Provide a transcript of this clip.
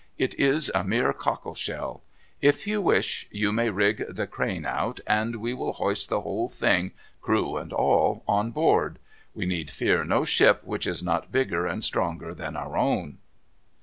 It is a mere cockle shell. If you wish, you may rig the crane out, and we will hoist the whole thing, crew and all, on board. We need fear no ship which is not bigger and stronger than our own."